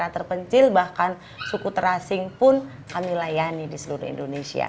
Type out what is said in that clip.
terpencil bahkan suku terasing pun kami layani di seluruh indonesia